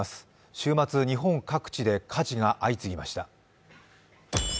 週末、日本各地で火事が相次ぎました。